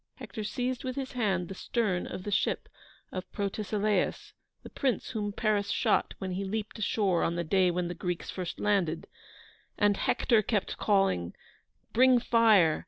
Hector seized with his hand the stern of the ship of Protesilaus, the prince whom Paris shot when he leaped ashore on the day when the Greeks first landed; and Hector kept calling: "Bring fire!"